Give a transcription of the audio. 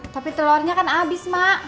tapi telurnya kan habis mak